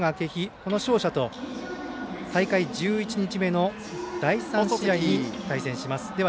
この勝者と大会１１日目の第３試合に対戦します。